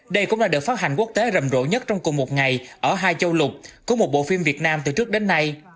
đây cũng là đợt phát hành quốc tế rầm rộ nhất trong cùng một ngày ở hai châu lục của một bộ phim việt nam từ trước đến nay